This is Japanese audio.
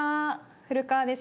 古川です。